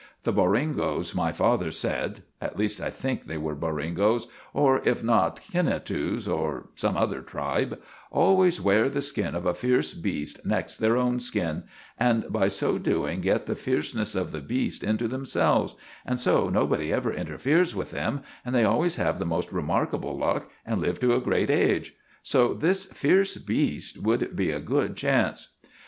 The Boringos, my father said—at least, I think they were Boringos, or if not, Kinnatoos, or some other tribe—always wear the skin of a fierce beast next their own skin, and by so doing get the fierceness of the beast into themselves, and so nobody ever interferes with them, and they always have the most remarkable luck, and live to a great age. So this fierce beast would be a good chance."